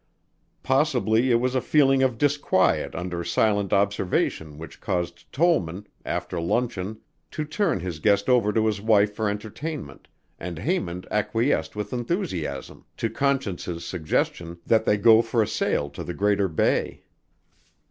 Possibly it was a feeling of disquiet under silent observation which caused Tollman, after luncheon, to turn his guest over to his wife for entertainment, and Haymond acquiesced with enthusiasm to Conscience's suggestion that they go for a sail to the greater bay.